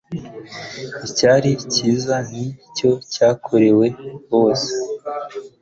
icyari cyiza, nicyo cyakorewe bose